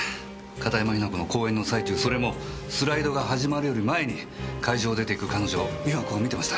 片山雛子の講演の最中それもスライドが始まるより前に会場を出て行く彼女を美和子が見てました。